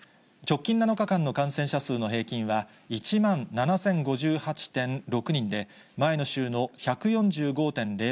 直近７日間の感染者数の平均は１万７０５８．６人で、前の週の１４５．０％です。